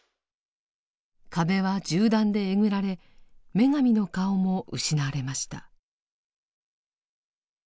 壁は銃弾でえぐられ女神の顔も失われました。